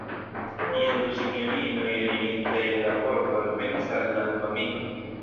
Jen du sinjorinoj elirintaj el la pordo alvenis al la du amikoj.